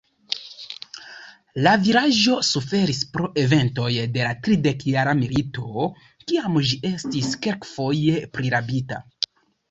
La vilaĝo suferis pro eventoj de la tridekjara milito, kiam ĝi estis kelkfoje prirabita.